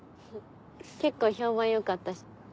結構評判良かったし。